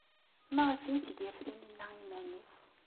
Maɣef ay tger Taninna iman-nnes?